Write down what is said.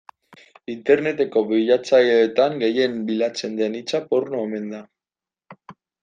Interneteko bilatzaileetan gehien bilatzen den hitza porno omen da.